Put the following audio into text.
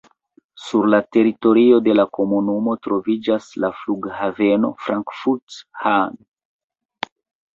Sur la teritorio de la komunumo troviĝas la flughaveno Frankfurt-Hahn.